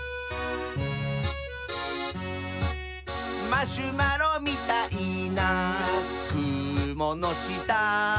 「マシュマロみたいなくものした」